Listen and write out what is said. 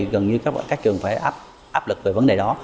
gần như các trường phải áp lực về vấn đề đó